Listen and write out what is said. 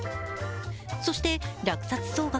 そして、落札総額